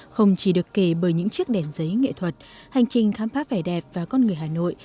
không chỉ được kể bởi những chiếc đèn giấy nghệ thuật hành trình khám phá vẻ đẹp và con người hà nội